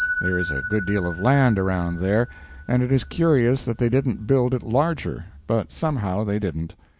There is a good deal of land around there, and it is curious that they didn't build it larger—but somehow they didn't.